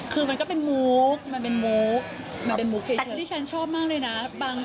เขาบอกเลยว่าเป็นที่สร้างเรือนห่อ